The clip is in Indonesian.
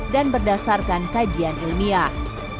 dan berdasarkan kajian ilmiah